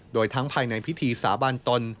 โดยทั้งภายในพิธีสาบานตน